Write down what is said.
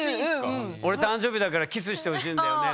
「俺誕生日だからキスしてほしいんだよね」